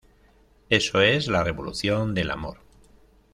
Eso es la revolución del amor.